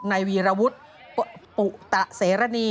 ในวีรวุษปุตรเสรภณี